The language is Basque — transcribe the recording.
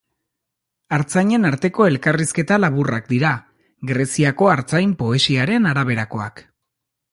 Artzainen arteko elkarrizketa laburrak dira, Greziako artzain poesiaren araberakoak.